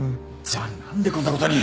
じゃ何でこんなことに。